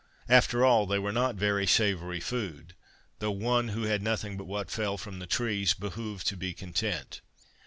After all, they were not very savoury food, though one, who had nothing but what fell from the trees, behoved to be content.